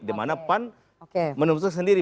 dimana pan menutup sendiri